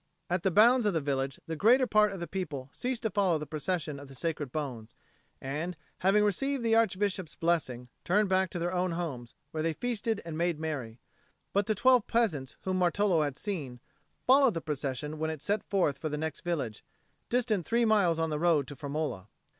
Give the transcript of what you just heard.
At the bounds of the village the greater part of the people ceased to follow the procession of the sacred bones, and, having received the Archbishop's blessing, turned back to their own homes, where they feasted and made merry; but the twelve peasants whom Martolo had seen followed the procession when it set forth for the next village, distant three miles on the road to Firmola.